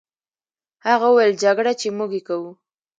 هغه وویل: جګړه، چې موږ یې کوو.